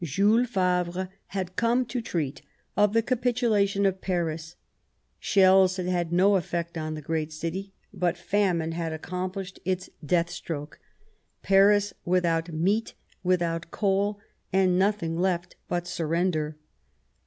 Jules Favre had come to treat of the capitulation of Paris. Shells had had no effect on the great city ; but famine had accomplished its death stroke. Paris, without meat, without coal, had nothing left but surrender.